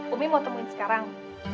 umi mau temuin sekarang